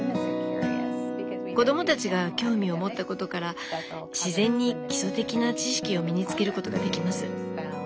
子どもたちが興味を持ったことから自然に基礎的な知識を身につけることができます。